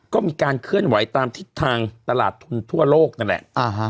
ก็มีการเคลื่อนไหวตามทิศทางตลาดทุนทั่วโลกนั่นแหละ